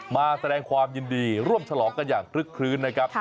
มาแสดงความยินดีร่วมฉลองกันอย่างคลึกคลื้นนะครับ